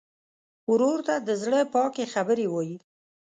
ورور ته د زړه پاکې خبرې وایې.